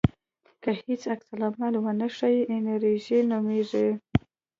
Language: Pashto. که هیڅ عکس العمل ونه ښیې انېرژي نومېږي.